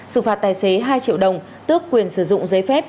xử phạt tài xế hai triệu đồng tước quyền sử dụng giấy phép